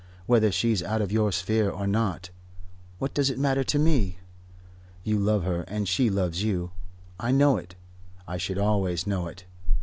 Whether she's out of your sphere or not what does it matter to me? You love her and she loves you. I know it. I should always know it.